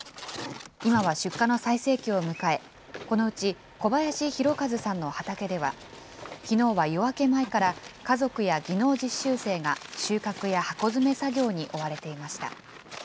今は出荷の最盛期を迎え、このうち小林弘一さんの畑では、きのうは夜明け前から家族や技能実習生が収穫や箱詰め作業に追われていました。